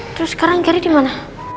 terus sekarang gary dimana